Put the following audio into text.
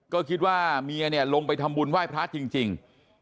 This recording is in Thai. ก็คิดว่าเมียเนี่ยลงไปทำบุญไหว้พระจริง